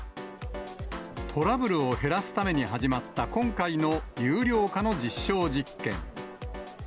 トラブルを減らすために始まった今回の有料化の実証実験。